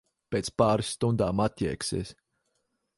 Pēc pāris stundām atjēgsies.